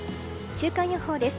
週間予報です。